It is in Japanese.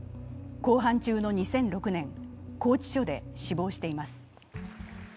公判中の２００６年拘置所で死亡しています。